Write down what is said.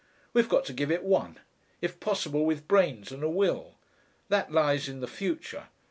We've got to give it one if possible with brains and a will. That lies in the future.